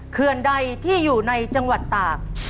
เขื่อนใดที่อยู่ในจังหวัดตาก